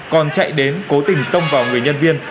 còn chạy đến cố tình tông vào người nhân viên